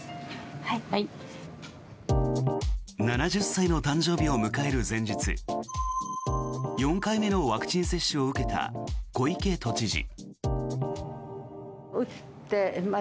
７０歳の誕生日を迎える前日４回目のワクチン接種を受けた小池都知事。